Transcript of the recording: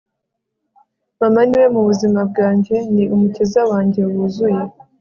mama niwe buzima bwanjye, ni umukiza wanjye wuzuye